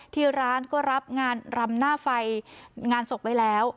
ที่ร้านก็รับงานรำหน้าไฟงานศพไว้แล้ว